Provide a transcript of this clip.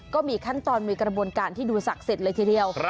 ก็มีขั้นตอนมีกระบวนการที่ดูศักดิ์สิทธิ์เลยทีเดียว